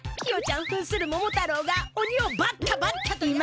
ひよちゃんふんする桃太郎がおにをバッタバッタと。